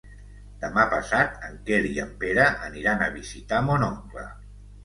Demà passat en Quer i en Pere aniran a visitar mon oncle.